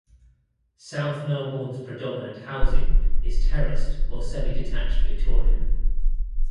South Melbourne's predominant housing is terraced or semi-detached Victorian.